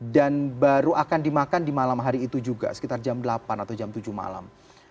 dan baru akan dimakan di malam hari itu juga sekitar jam delapan atau jam tujuh malam